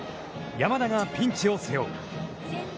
山田がピンチを背負う。